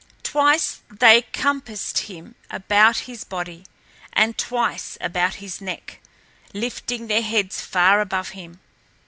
Twice they compassed him about his body, and twice about his neck, lifting their heads far above him.